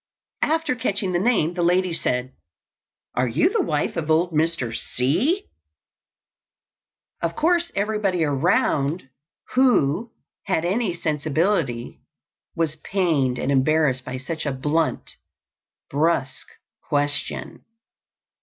After catching the name the lady said: "Are you the wife of old Mr. C ?" Of course everybody around who had any sensibility was pained and embarrassed by such a blunt, brusque question.